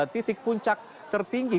titik puncak tertinggi